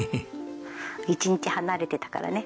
一日離れてたからね。